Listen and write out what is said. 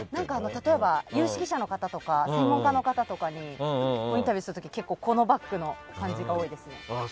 例えば有識者の方とか専門家の方とかにインタビューする時にこのバックの感じが多いです。